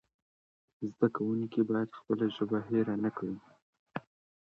زده کوونکي باید خپله ژبه هېره نه کړي.